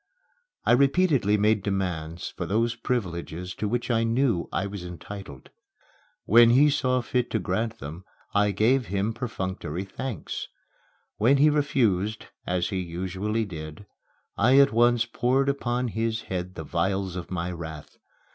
I repeatedly made demands for those privileges to which I knew I was entitled. When he saw fit to grant them, I gave him perfunctory thanks. When he refused as he usually did I at once poured upon his head the vials of my wrath.